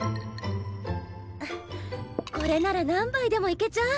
これなら何杯でもいけちゃう！